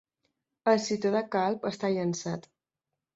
El ciutadà calb està llançat.